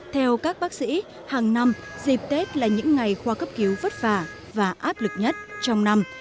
theo các bác sĩ hàng năm dịp tết là những ngày khoa cấp cứu vất vả và áp lực nhất trong năm